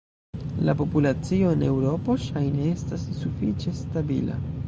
La populacio en Eŭropo ŝajne estas sufiĉe stabila.